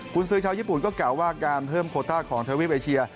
คุณซื้อชาวญี่ปุ่นก็กล่าวว่าการเพิ่มโคต้าของทวีปเอเชีย